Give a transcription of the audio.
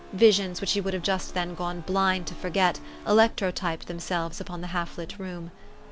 Visions which he would just then have gone blind to forget, electrotyped themselves upon the half lit room.